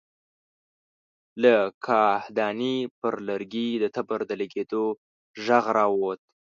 له کاهدانې پر لرګي د تبر د لګېدو غږ را ووت.